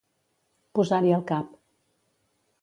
Posar-hi el cap.